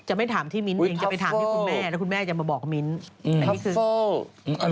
จะไม่ถามที่มิ้นต์เองจะไปถามที่คุณแม่แล้วคุณแม่จะมาบอกมิ้นต์